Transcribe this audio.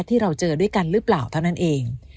ที่เราเจอด้วยกันหรือเปล่าเท่านั้นเอง